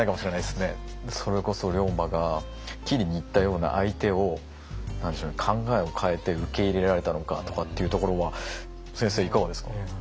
それこそ龍馬が斬りにいったような相手を考えを変えて受け入れられたのかとかっていうところは先生いかがですか？